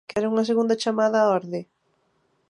¿Quere unha segunda chamada á orde?